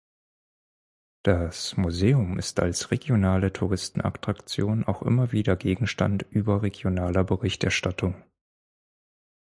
Das Museum ist als regionale Touristenattraktion auch immer wieder Gegenstand überregionaler Berichterstattung.